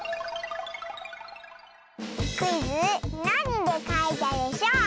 クイズ「なにでかいたでショー」